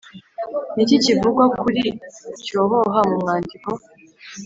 ni iki kivugwa kuri cyohoha mu mwandiko?